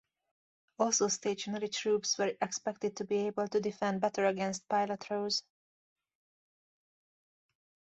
Also stationary troops were expected to be able to defend better against pila throws.